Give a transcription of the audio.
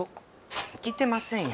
聞いてませんよ。